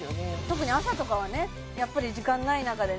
特に朝とかはねやっぱり時間ない中でね